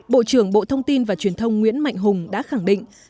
bộ trưởng bộ thông tin và truyền thông nguyễn mạnh hùng đã khẳng định